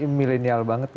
ini milenial banget gitu